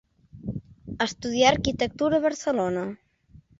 Estudià arquitectura a Barcelona.